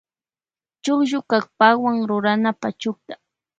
Chukllu kapkawa rurana pachukta.